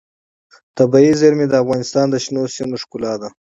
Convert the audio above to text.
طبیعي زیرمې د افغانستان د شنو سیمو ښکلا ده.